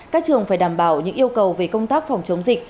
các trường phải đảm bảo những yêu cầu về công tác phòng chống dịch